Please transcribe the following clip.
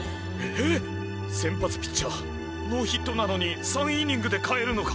ええっ先発ピッチャーノーヒットなのに３イニングで代えるのか！